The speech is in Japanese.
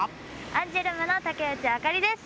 アンジュルムの竹内朱莉です！